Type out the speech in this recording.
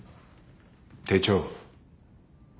手帳。